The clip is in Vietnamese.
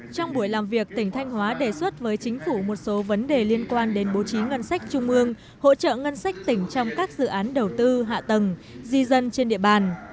trong buổi làm việc tỉnh thanh hóa đề xuất với chính phủ một số vấn đề liên quan đến bố trí ngân sách trung ương hỗ trợ ngân sách tỉnh trong các dự án đầu tư hạ tầng di dân trên địa bàn